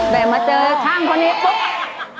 แต่มาเจอช่างคนนี้ปุ๊บ